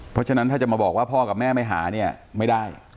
เพราะฉะนั้นถ้าจะมาบอกว่าพ่อกับแม่ไม่หาเนี่ยไม่ได้